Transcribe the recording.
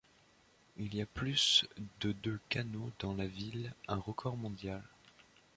Il y a plus de de canaux dans la ville, un record mondial.